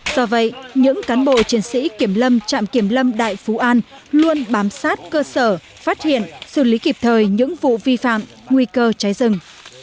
do vậy những cán bộ chiến sĩ kiểm lâm trạm kiểm lâm đại phú an luôn bám sát cơ sở phát hiện xử lý kịp thời những vụ vi phạm nguy cơ cháy rừng